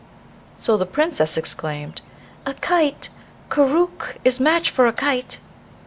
So the Princess exclaimed, 'A kite! Koorookh is match for a kite!'